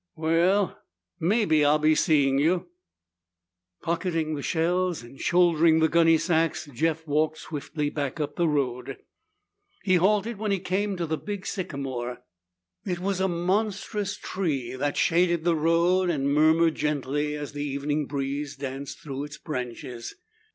Well, maybe I'll be seeing you." Pocketing the shells and shouldering the gunny sacks, Jeff walked swiftly back up the road. He halted when he came to the big sycamore. It was a monstrous tree that shaded the road and murmured gently as the evening breeze danced through its branches.